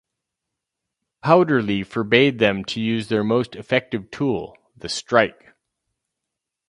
Powderly forbade them to use their most effective tool: the strike.